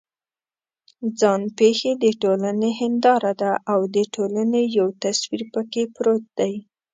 ځان پېښې د ټولنې هنداره ده او د ټولنې یو تصویر پکې پروت دی.